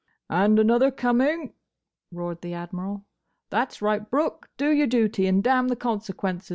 "And another coming!" roared the Admiral. "That's right, Brooke! Do your duty, and damn the consequences!